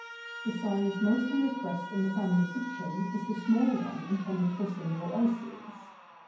The size most in request in the family kitchen is the small one intended for single ices.